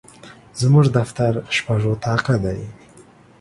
زموږ دفتر شپږ اطاقه دي.